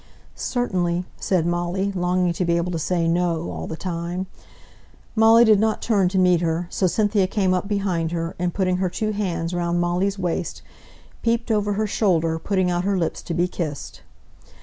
"Certainly," said Molly, longing to be able to say "No" all the time. Molly did not turn to meet her, so Cynthia came up behind her, and putting her two hands round Molly's waist, peeped over her shoulder, putting out her lips to be kissed.